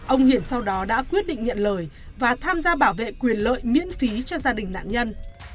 ông hiển sau đó đã quyết định nhận lời và tham gia bảo vệ quyền lợi miễn phí cho gia đình nạn nhân